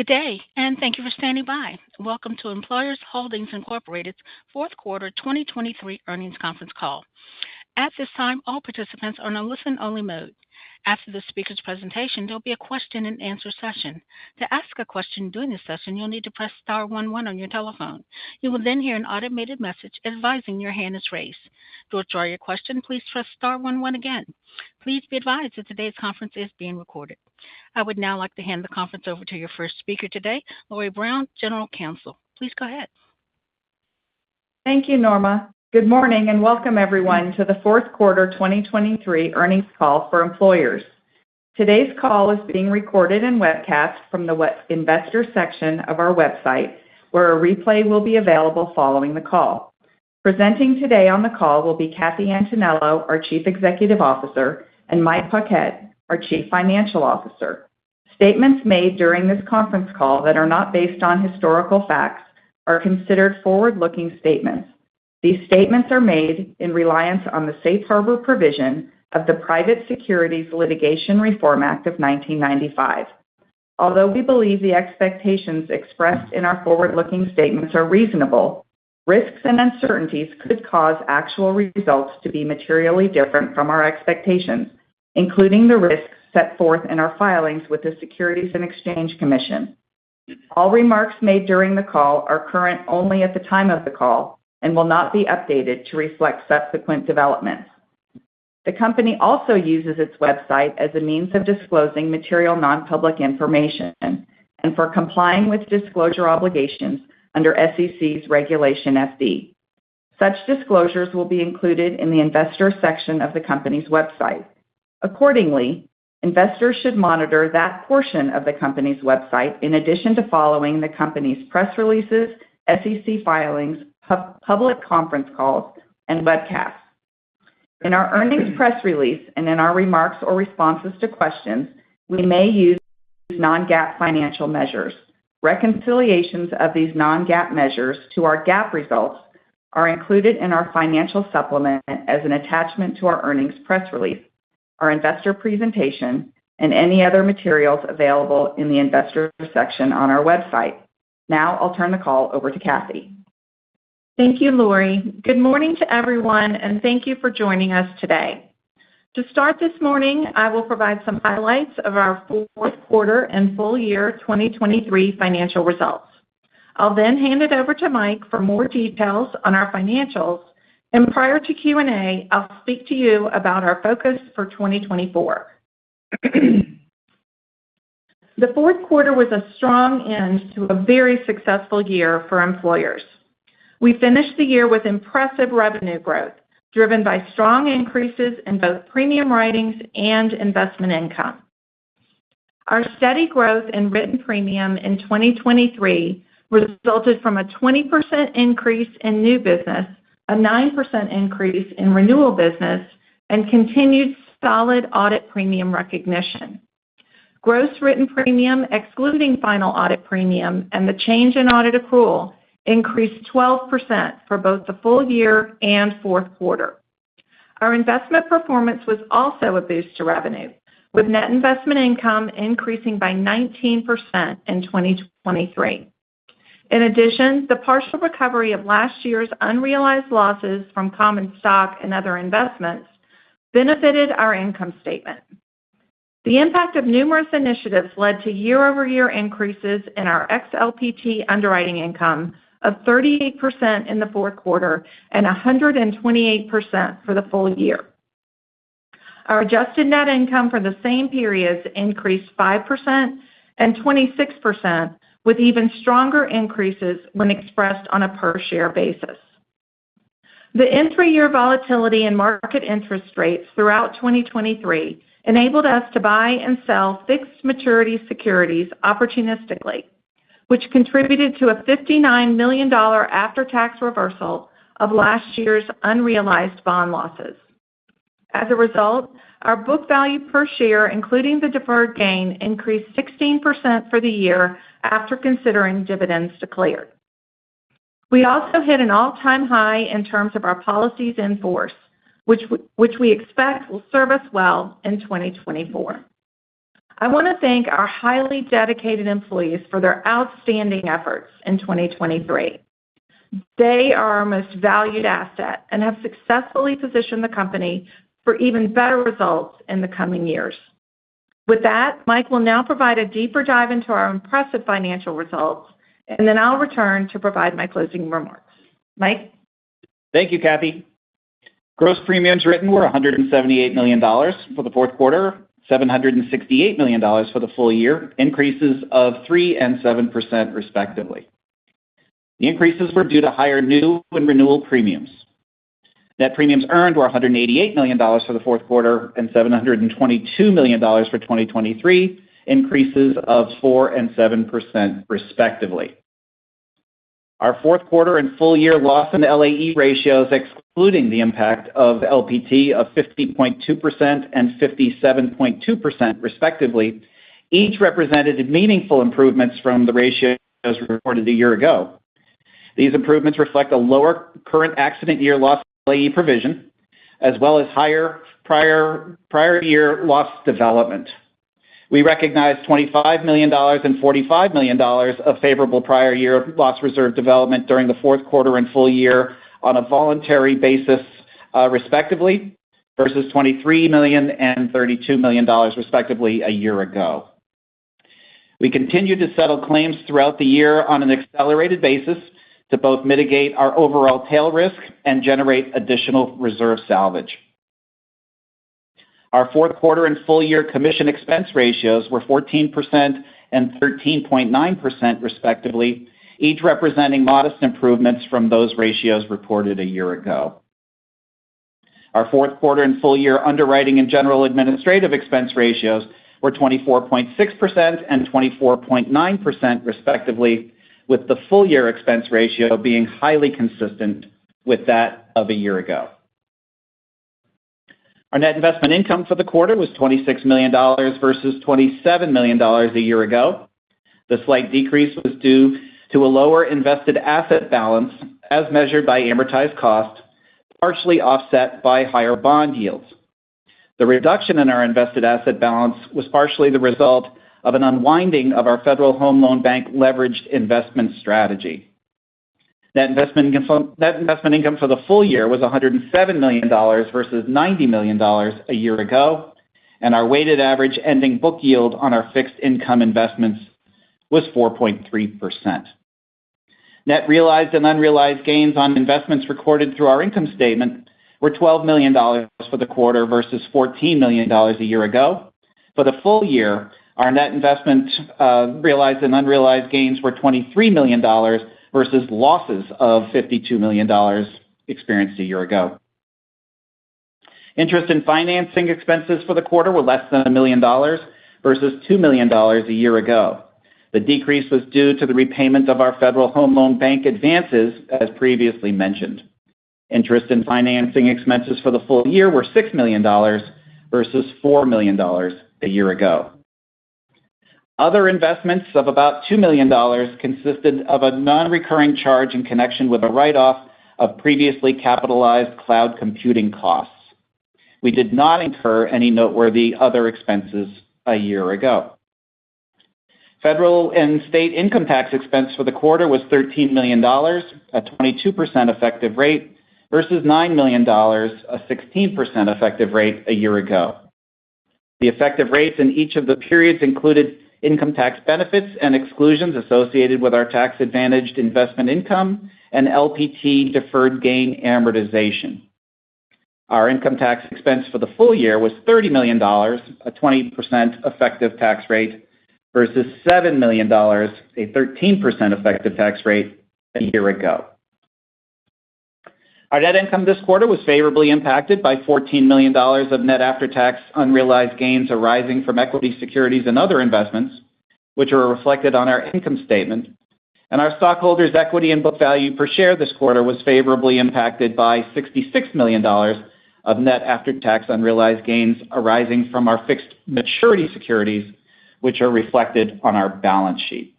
Good day, and thank you for standing by. Welcome to Employers Holdings, Inc. Fourth Quarter 2023 Earnings conference call. At this time, all participants are in a listen-only mode. After the speaker's presentation, there'll be a question-and-answer session. To ask a question during this session, you'll need to press star one one on your telephone. You will then hear an automated message advising your hand is raised. To withdraw your question, please press star one one again. Please be advised that today's conference is being recorded. I would now like to hand the conference over to your first speaker today, Lori Brown, General Counsel. Please go ahead. Thank you, Norma. Good morning and welcome, everyone, to the Fourth Quarter 2023 Earnings call for Employers. Today's call is being recorded and webcast from the investor section of our website, where a replay will be available following the call. Presenting today on the call will be Kathy Antonello, our Chief Executive Officer, and Mike Paquette, our Chief Financial Officer. Statements made during this conference call that are not based on historical facts are considered forward-looking statements. These statements are made in reliance on the Safe Harbor provision of the Private Securities Litigation Reform Act of 1995. Although we believe the expectations expressed in our forward-looking statements are reasonable, risks and uncertainties could cause actual results to be materially different from our expectations, including the risks set forth in our filings with the Securities and Exchange Commission. All remarks made during the call are current only at the time of the call and will not be updated to reflect subsequent developments. The company also uses its website as a means of disclosing material nonpublic information and for complying with disclosure obligations under SEC's Regulation FD. Such disclosures will be included in the investor section of the company's website. Accordingly, investors should monitor that portion of the company's website in addition to following the company's press releases, SEC filings, public conference calls, and webcasts. In our earnings press release and in our remarks or responses to questions, we may use non-GAAP financial measures. Reconciliations of these non-GAAP measures to our GAAP results are included in our financial supplement as an attachment to our earnings press release, our investor presentation, and any other materials available in the investor section on our website. Now I'll turn the call over to Kathy. Thank you, Lori. Good morning to everyone, and thank you for joining us today. To start this morning, I will provide some highlights of our fourth quarter and full year 2023 financial results. I'll then hand it over to Mike for more details on our financials, and prior to Q&A, I'll speak to you about our focus for 2024. The fourth quarter was a strong end to a very successful year for Employers. We finished the year with impressive revenue growth driven by strong increases in both premium writings and investment income. Our steady growth in written premium in 2023 resulted from a 20% increase in new business, a 9% increase in renewal business, and continued solid audit premium recognition. Gross Written Premium, excluding final audit premium and the change in audit accrual, increased 12% for both the full year and fourth quarter. Our investment performance was also a boost to revenue, with net investment income increasing by 19% in 2023. In addition, the partial recovery of last year's unrealized losses from common stock and other investments benefited our income statement. The impact of numerous initiatives led to year-over-year increases in our XLPT underwriting income of 38% in the fourth quarter and 128% for the full year. Our adjusted net income for the same periods increased 5% and 26%, with even stronger increases when expressed on a per-share basis. The intra-year volatility and market interest rates throughout 2023 enabled us to buy and sell fixed maturity securities opportunistically, which contributed to a $59 million after-tax reversal of last year's unrealized bond losses. As a result, our book value per share, including the deferred gain, increased 16% for the year after considering dividends declared. We also hit an all-time high in terms of our policies in force, which we expect will serve us well in 2024. I want to thank our highly dedicated employees for their outstanding efforts in 2023. They are our most valued asset and have successfully positioned the company for even better results in the coming years. With that, Mike will now provide a deeper dive into our impressive financial results, and then I'll return to provide my closing remarks. Mike? Thank you, Kathy. Gross premiums written were $178 million for the fourth quarter, $768 million for the full year, increases of 3% and 7% respectively. The increases were due to higher new and renewal premiums. Net premiums earned were $188 million for the fourth quarter and $722 million for 2023, increases of 4% and 7% respectively. Our fourth quarter and full year loss and LAE ratios, excluding the impact of LPT of 50.2% and 57.2% respectively, each represented meaningful improvements from the ratios reported a year ago. These improvements reflect a lower current accident year loss LAE provision, as well as higher prior year loss development. We recognize $25 million and $45 million of favorable prior year loss reserve development during the fourth quarter and full year on a voluntary basis respectively, versus $23 million and $32 million respectively a year ago. We continue to settle claims throughout the year on an accelerated basis to both mitigate our overall tail risk and generate additional reserve salvage. Our fourth quarter and full year commission expense ratios were 14% and 13.9% respectively, each representing modest improvements from those ratios reported a year ago. Our fourth quarter and full year underwriting and general administrative expense ratios were 24.6% and 24.9% respectively, with the full year expense ratio being highly consistent with that of a year ago. Our net investment income for the quarter was $26 million versus $27 million a year ago. The slight decrease was due to a lower invested asset balance as measured by amortized cost, partially offset by higher bond yields. The reduction in our invested asset balance was partially the result of an unwinding of our Federal Home Loan Bank leveraged investment strategy. Net investment income for the full year was $107 million versus $90 million a year ago, and our weighted average ending book yield on our fixed income investments was 4.3%. Net realized and unrealized gains on investments recorded through our income statement were $12 million for the quarter versus $14 million a year ago. For the full year, our net investment realized and unrealized gains were $23 million versus losses of $52 million experienced a year ago. Interest and financing expenses for the quarter were less than $1 million versus $2 million a year ago. The decrease was due to the repayment of our Federal Home Loan Bank advances, as previously mentioned. Interest in financing expenses for the full year were $6 million versus $4 million a year ago. Other investments of about $2 million consisted of a non-recurring charge in connection with a write-off of previously capitalized cloud computing costs. We did not incur any noteworthy other expenses a year ago. Federal and state income tax expense for the quarter was $13 million, a 22% effective rate, versus $9 million, a 16% effective rate a year ago. The effective rates in each of the periods included income tax benefits and exclusions associated with our tax-advantaged investment income and LPT deferred gain amortization. Our income tax expense for the full year was $30 million, a 20% effective tax rate, versus $7 million, a 13% effective tax rate a year ago. Our net income this quarter was favorably impacted by $14 million of net after-tax unrealized gains arising from equity securities and other investments, which are reflected on our income statement. Our stockholders' equity and book value per share this quarter was favorably impacted by $66 million of net after-tax unrealized gains arising from our fixed maturity securities, which are reflected on our balance sheet.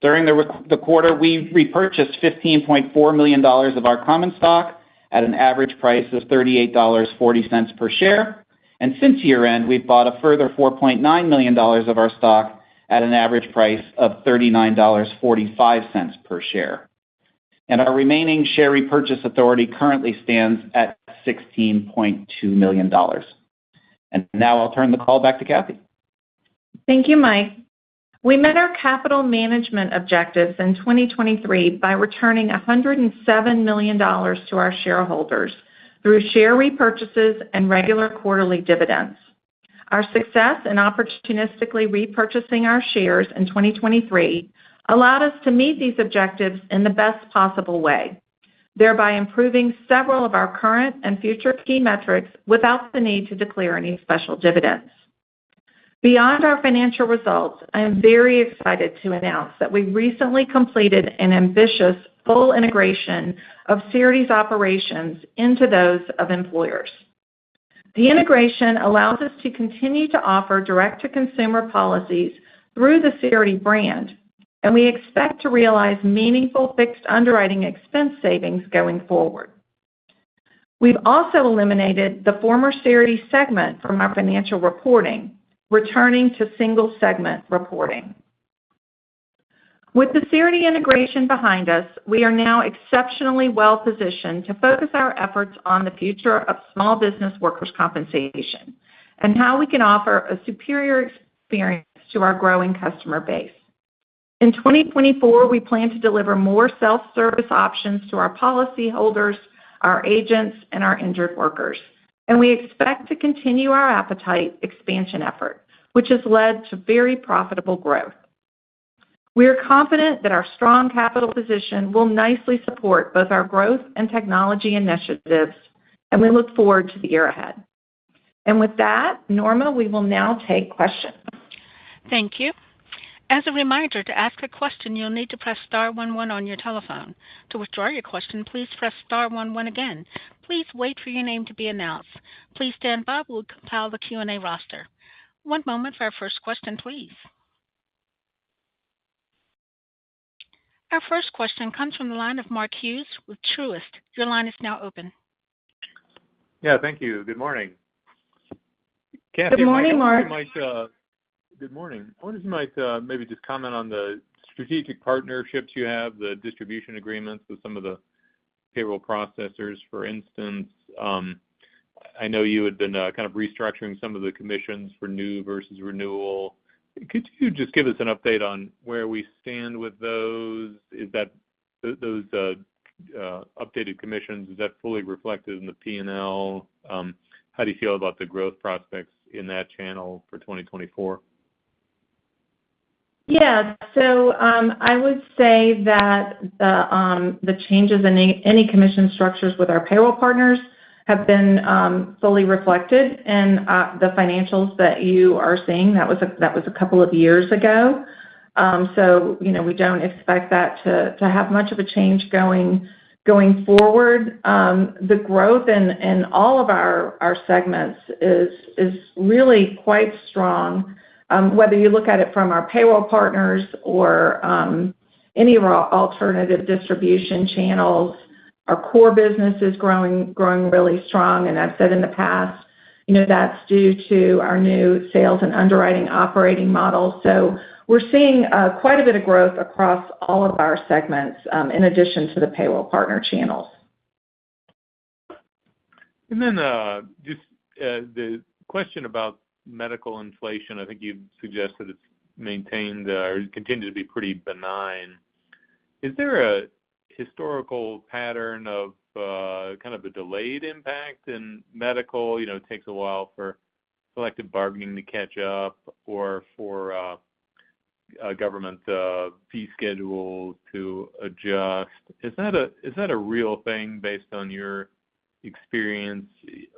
During the quarter, we repurchased $15.4 million of our common stock at an average price of $38.40 per share. Since year-end, we've bought a further $4.9 million of our stock at an average price of $39.45 per share. Our remaining share repurchase authority currently stands at $16.2 million. Now I'll turn the call back to Kathy. Thank you, Mike. We met our capital management objectives in 2023 by returning $107 million to our shareholders through share repurchases and regular quarterly dividends. Our success in opportunistically repurchasing our shares in 2023 allowed us to meet these objectives in the best possible way, thereby improving several of our current and future key metrics without the need to declare any special dividends. Beyond our financial results, I am very excited to announce that we recently completed an ambitious full integration of Cerity's operations into those of Employers. The integration allows us to continue to offer direct-to-consumer policies through the Cerity brand, and we expect to realize meaningful fixed underwriting expense savings going forward. We've also eliminated the former Cerity segment from our financial reporting, returning to single-segment reporting. With the Cerity integration behind us, we are now exceptionally well-positioned to focus our efforts on the future of small business workers' compensation and how we can offer a superior experience to our growing customer base. In 2024, we plan to deliver more self-service options to our policyholders, our agents, and our injured workers. We expect to continue our appetite expansion effort, which has led to very profitable growth. We are confident that our strong capital position will nicely support both our growth and technology initiatives, and we look forward to the year ahead. With that, Norma, we will now take questions. Thank you. As a reminder, to ask a question, you'll need to press star one one on your telephone. To withdraw your question, please press star one one again. Please wait for your name to be announced. Please stand by while we compile the Q&A roster. One moment for our first question, please. Our first question comes from the line of Mark Hughes with Truist. Your line is now open. Yeah, thank you. Good morning. Kathy, how can I help you? Good morning, Mark. I wanted to might maybe just comment on the strategic partnerships you have, the distribution agreements with some of the payroll processors. For instance, I know you had been kind of restructuring some of the commissions for new versus renewal. Could you just give us an update on where we stand with those? Is that those updated commissions, is that fully reflected in the P&L? How do you feel about the growth prospects in that channel for 2024? Yeah. So I would say that the changes in any commission structures with our payroll partners have been fully reflected in the financials that you are seeing. That was a couple of years ago. So we don't expect that to have much of a change going forward. The growth in all of our segments is really quite strong. Whether you look at it from our payroll partners or any alternative distribution channels, our core business is growing really strong. And I've said in the past, that's due to our new sales and underwriting operating model. So we're seeing quite a bit of growth across all of our segments in addition to the payroll partner channels. And then just the question about medical inflation, I think you've suggested it's maintained or continued to be pretty benign. Is there a historical pattern of kind of a delayed impact in medical? It takes a while for selective bargaining to catch up or for government fee schedules to adjust. Is that a real thing based on your experience,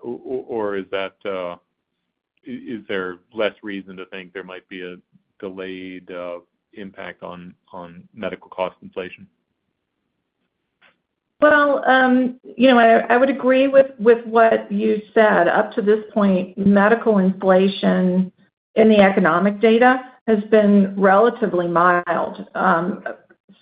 or is there less reason to think there might be a delayed impact on medical cost inflation? Well, I would agree with what you said. Up to this point, medical inflation in the economic data has been relatively mild,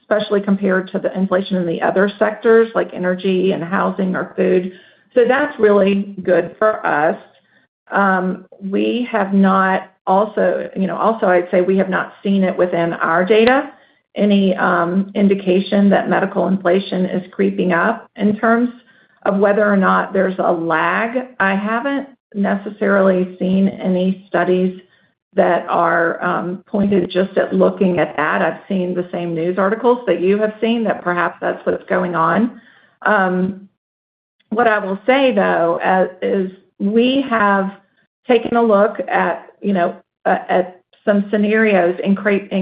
especially compared to the inflation in the other sectors like energy and housing or food. So that's really good for us. We have not seen it within our data, any indication that medical inflation is creeping up in terms of whether or not there's a lag. I haven't necessarily seen any studies that are pointed just at looking at that. I've seen the same news articles that you have seen that perhaps that's what's going on. What I will say, though, is we have taken a look at some scenarios in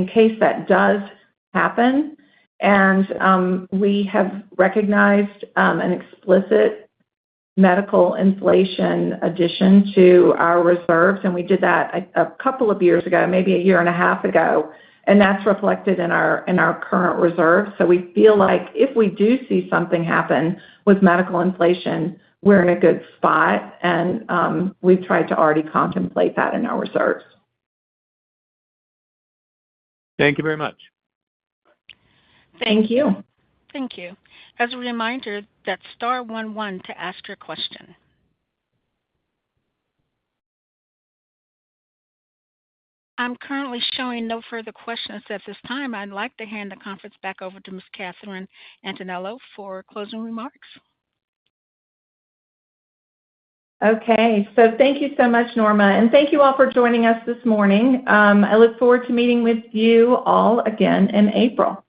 case that does happen. We have recognized an explicit medical inflation addition to our reserves. We did that a couple of years ago, maybe a year and a half ago. That's reflected in our current reserves. We feel like if we do see something happen with medical inflation, we're in a good spot. We've tried to already contemplate that in our reserves. Thank you very much. Thank you. Thank you. As a reminder, that's star one one to ask your question. I'm currently showing no further questions at this time. I'd like to hand the conference back over to Ms. Katherine Antonello for closing remarks. Okay. Thank you so much, Norma. Thank you all for joining us this morning. I look forward to meeting with you all again in April.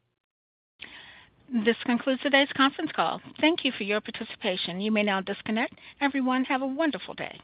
This concludes today's conference call. Thank you for your participation. You may now disconnect. Everyone, have a wonderful day.